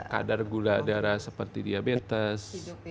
kadar gula darah seperti diabetes